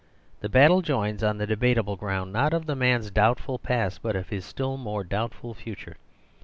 The battle joins on the debatable ground, not of the man's doubtful past but of his still more doubtful future.